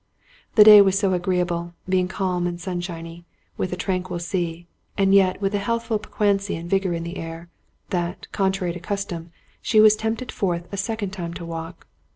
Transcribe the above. The day was so agreeable, being calm and sunshiny, with a tranquil sea, and yet with a healthful piquancy and vigor in the air, that, contrary to custom, she was tempted forth a second time to walk.